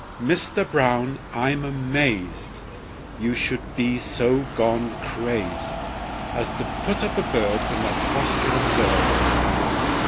Mister Brown, I'm amazed You should be so gone crazed As to put up a bird In that posture absurd!